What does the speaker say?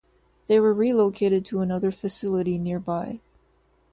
They were relocated to another facility nearby.